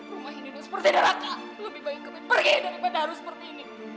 rumah ini seperti neraka lebih baik kami pergi daripada harus seperti ini